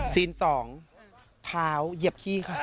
ซีน๒พาวเหยียบขี้ค่ะ